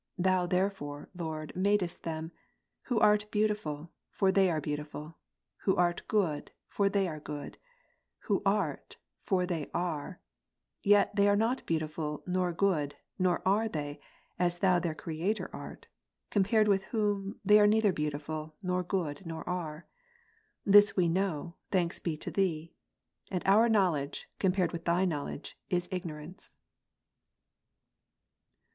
Thou therefore, Lord, madest them ; who art beautiful, for they are beautiful ; who art good, for they are good; who Art, for they are ; yet are they not beautiful nor good, nor are they, as Thou their Creator art; compared with Whom, they are neither beautiful, nor good, nor are. This we know, thanks be to Thee. And our knowledge, com pared with Thy knowledge, is ignorance.